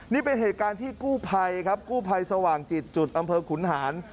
นี่เป็นเหตุการณ์ที่กู้ภัยครับกู้ภัยสว่างจิตจุดอำเภอขุนหาร